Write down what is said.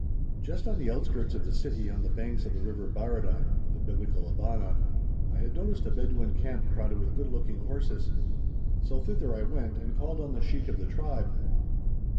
Just on the outskirts of the city on the banks of the river Barada (the Biblical Abana) I had noticed a Bedouin camp crowded with good looking horses, so thither I went and called on the Sheik of the tribe.